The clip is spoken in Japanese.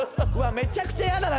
めちゃくちゃ嫌だな